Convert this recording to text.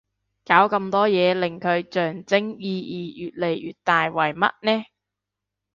搞咁多嘢令佢象徵意義越嚟越大為乜呢